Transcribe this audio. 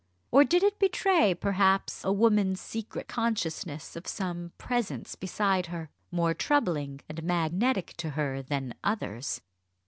Or did it betray, perhaps, a woman's secret consciousness of some presence beside her, more troubling and magnetic to her than others?